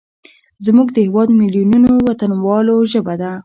زموږ د هیواد میلیونونو وطنوالو ژبه ده.